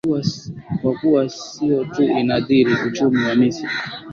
kwa kuwa sio tu inaadhiri uchumi wa misri